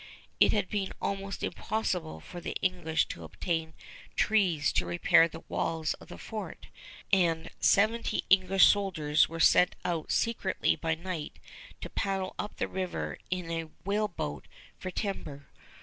It had been almost impossible for the English to obtain trees to repair the walls of the fort, and seventy English soldiers were sent out secretly by night to paddle up the river in a whaleboat for timber.